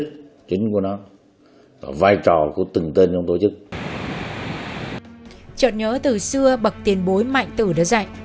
chợ nhớ từ xưa bậc tiền bối mạnh tử đã dạy